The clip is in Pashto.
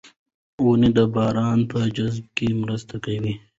ونې د باران په جذب کې مرسته کوي.